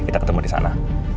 kita ketemu disana